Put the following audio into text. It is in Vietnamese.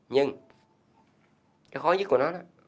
nhưng cái khó nhất của nó